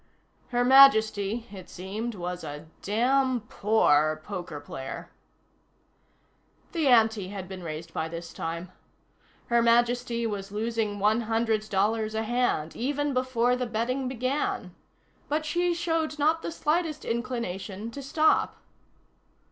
Her Majesty, it seemed, was a damn poor poker player. The ante had been raised by this time. Her Majesty was losing one hundred dollars a hand, even before the betting began. But she showed not the slightest indication to stop.